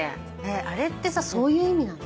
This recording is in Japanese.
あれってさそういう意味なんだ。